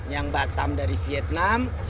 yang batam dari vietnam